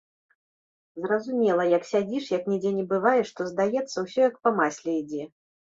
Зразумела, як сядзіш, як нідзе не бываеш, то здаецца, усё як па масле ідзе.